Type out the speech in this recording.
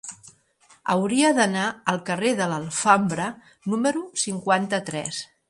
Hauria d'anar al carrer de l'Alfambra número cinquanta-tres.